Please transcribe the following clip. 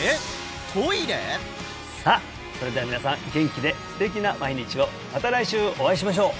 さあそれでは皆さん元気で素敵な毎日をまた来週お会いしましょう